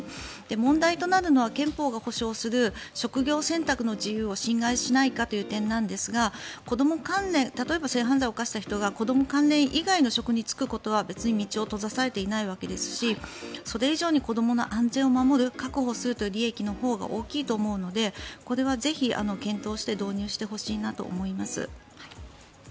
問題となるのは憲法が保障する職業選択の自由を侵害しないかという点ですが子ども関連例えば性犯罪を犯した人が子ども関連以外の職に就くことは道を閉ざされていないわけですしそれ以上に子どもの安全を守る確保するという利益のほうが大きいと思うのでこれはぜひ検討して導入してほしいなと思います。